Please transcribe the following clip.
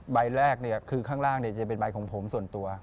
ใบแรกคือข้างล่างจะเป็นใบของผมส่วนตัว